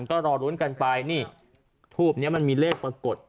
ก็รอลุ้นกันไปนี่ทูปนี้มันมีเลขปรากฏ